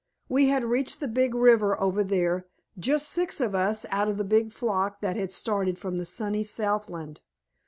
"We had reached the Big River over there, just six of us out of the big flock that had started from the sunny Southland.